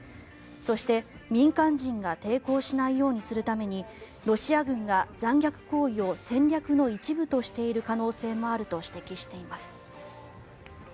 そして、民間人が抵抗しないようにするためにロシア軍が残虐行為を戦略の一部としている可能性があると指摘しています。